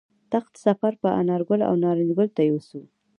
تخت سفر به انارګل او نارنج ګل ته یوسو